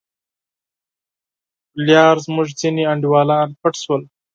پر لار زموږ ځیني انډیوالان پټ شول.